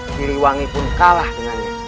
siliwangi pun kalah dengannya